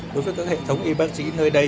đối với các hệ thống y bác sĩ nơi đấy